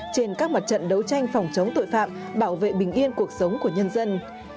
trên các mặt trận đấu tranh phòng chống tội phạm bảo vệ bình yên cuộc sống của nhân dân